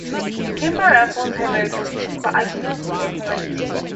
Kimber rifles have a reputation for accuracy and quality.